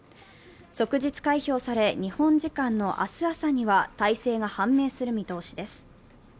即日開票され、日本時間の明日朝には大勢が判明する見通しです。